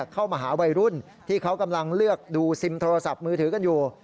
เข้ามาหาวัยรุ่นที่เขากำลังเลือกดูซิมโทรศัพท์มือถือกันอยู่